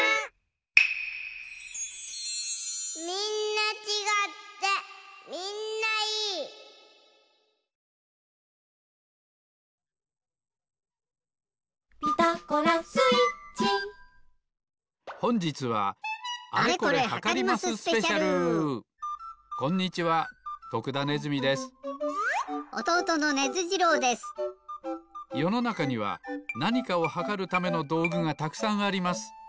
よのなかにはなにかをはかるためのどうぐがたくさんあります。